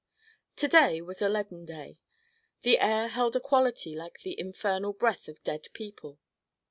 To day was a leaden day. The air held a quality like the infernal breath of dead people.